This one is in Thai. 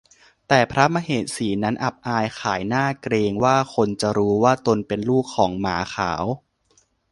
แต่พระมเหสีนั้นอับอายขายหน้าเกรงว่าคนจะรู้ว่าตนเป็นลูกของหมาขาว